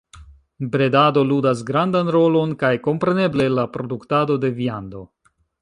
Bredado ludas grandan rolon, kaj kompreneble la produktado de viando.